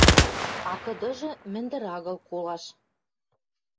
А кыдыжы — мӹндӹр агыл колаш